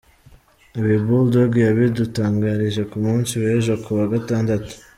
Ibi Bull Dogg yabidutangarije ku munsi w’ejo kuwa gatandatu.